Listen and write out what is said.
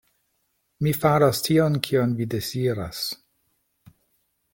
Mi faros tion, kion vi deziras.